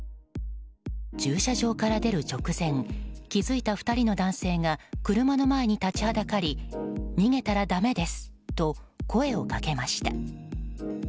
駐車場から出る直前気づいた２人の男性が車の前に立ちはだかり逃げたらだめですと声をかけました。